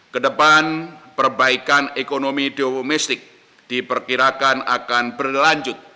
kedepan perbaikan ekonomi domestik diperkirakan akan berlanjut